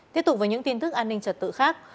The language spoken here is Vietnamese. tiếp tục với những tin tức an ninh trật tự khác